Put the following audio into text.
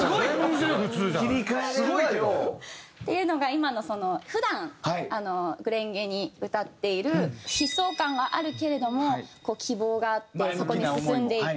っていうのが今のその普段『紅蓮華』に歌っている悲壮感があるけれども希望があってそこに進んでいく。